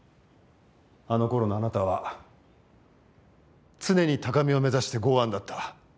あの頃のあなたは常に高みを目指して剛腕だった。